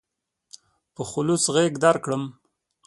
په خلوص غېږ درکړم.